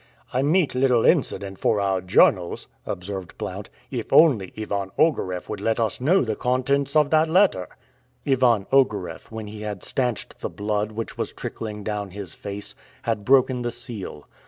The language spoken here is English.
"A neat little incident for our journals," observed Blount, "if only Ivan Ogareff would let us know the contents of that letter." Ivan Ogareff, when he had stanched the blood which was trickling down his face, had broken the seal.